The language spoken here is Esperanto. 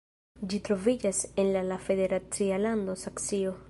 Ĝi troviĝas en la la federacia lando Saksio.